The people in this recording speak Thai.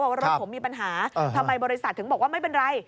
ว่ารถผมมีปัญหาทำไมบริษัทถึงบอกว่าไม่เป็นไร